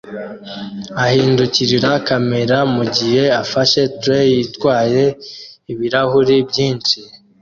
ahindukirira kamera mugihe afashe tray itwaye ibirahuri byinshi